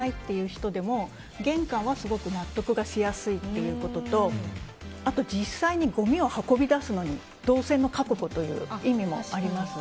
全部取っておきたいとか捨てたくないっていう人でも玄関はすごく納得がしやすいということとあと、実際にごみを運び出すのに動線の確保という意味もあります。